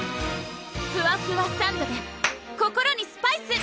ふわふわサンドｄｅ心にスパイス！